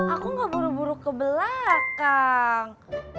aku gak buru buru ke belakang